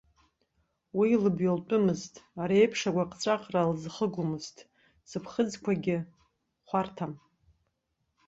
Уи лыбаҩлтәымызт, ари еиԥш агәаҟҵәаҟра лзыхгомызт, сыԥхыӡқәагьы хәарҭам!